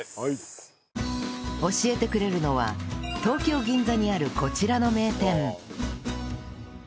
教えてくれるのは東京銀座にあるこちらの名店